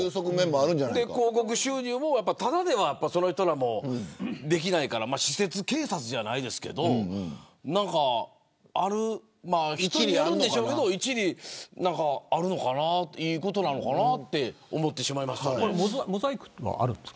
広告収入もただではその人らもできないから私設警察じゃないですけど人によるんでしょうけど一理あるのかないいことなのかなって思ってしまいました。